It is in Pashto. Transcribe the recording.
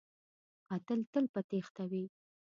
قاتل تل په تیښته وي